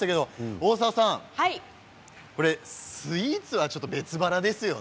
大沢さん、スイーツは別腹ですよね。